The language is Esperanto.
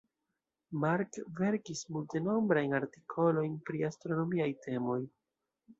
Mark verkis multenombrajn artikolojn pri astronomiaj temoj.